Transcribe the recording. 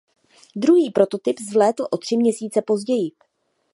Druhý prototyp vzlétl o tři měsíce později.